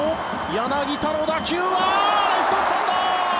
柳田の打球はレフトスタンド！